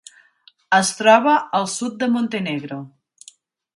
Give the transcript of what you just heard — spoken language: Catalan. Es troba al sud de Montenegro.